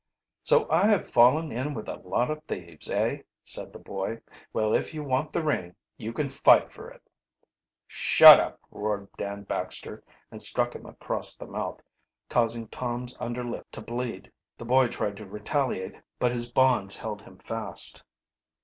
"So I have fallen in with a lot of thieves, eh?" said the boy. "Well, if you want the ring you can fight for it." "Shut up!" roared Dan Baxter, and struck him across the mouth, causing Tom's under lip to bleed. The boy tried to retaliate, but his bonds held him fast.